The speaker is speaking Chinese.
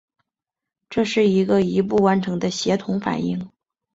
这是一个一步完成的协同反应。